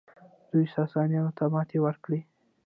دوی ساسانیانو ته ماتې ورکړه